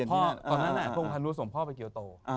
ตอนนั้นทุ่งพานุส่งพ่อไปเกียวโต